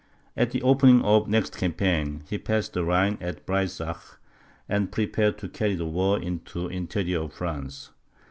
At the opening of the next campaign, he passed the Rhine at Breysach, and prepared to carry the war into the interior of France.